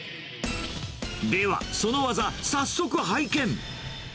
では、その技、早速拝見。